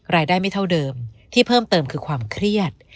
ไม่เท่าเดิมที่เพิ่มเติมคือความเครียด